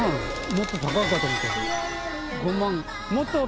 もっと高いかと思った。